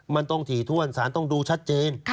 มันต้องถี่ถ้วนสารต้องดูชัดเจน